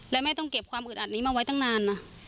และแม่ต้องเก็บความอึดอัดนี้มาไว้ตั้งนานนะ